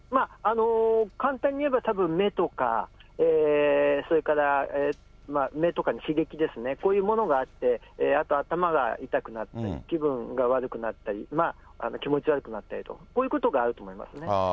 簡単に言えばたぶん目とか、それから、目とかに刺激ですね、こういうものがあって、あと、頭が痛くなったり、気分が悪くなったり、気持ち悪くなったりとか、こういうことがあると思いますね。